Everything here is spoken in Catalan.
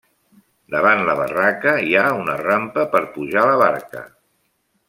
Davant la barraca hi ha una rampa per pujar la barca.